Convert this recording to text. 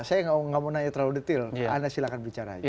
saya nggak mau nanya terlalu detail anda silahkan bicara aja